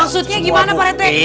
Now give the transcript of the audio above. maksudnya gimana pak rt